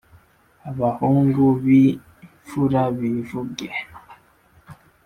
Abahungu b'imfura bivuge